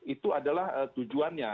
itu adalah tujuannya